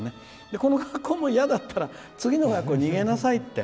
この学校も嫌だったら次の学校に逃げなさいって。